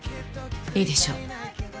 いいでしょう。